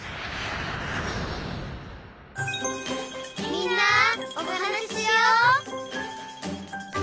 「みんなおはなししよう」